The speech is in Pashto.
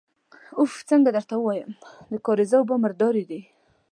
اوف! څنګه درته ووايم، د کارېزه اوبه مردارې دي.